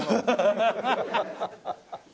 ハハハハ。